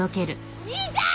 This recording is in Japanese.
お兄ちゃん！